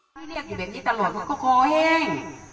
ให้เรียกอยู่แบบนี้ตลอดมันก็คอแห้ง